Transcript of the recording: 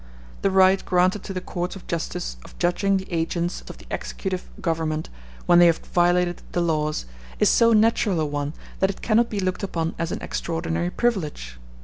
The right granted to the courts of justice of judging the agents of the executive government, when they have violated the laws, is so natural a one that it cannot be looked upon as an extraordinary privilege.